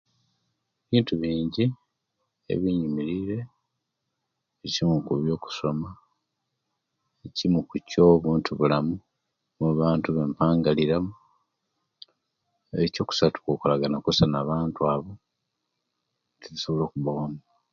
Bintu bingi ebinyimirira kukusoma ekimu kukyo buntu bulamu mubantu bempangaliramu ekyokusa kukolagana kusa nabantu abo nitusobola kubakimu